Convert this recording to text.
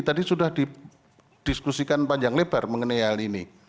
tadi sudah didiskusikan panjang lebar mengenai hal ini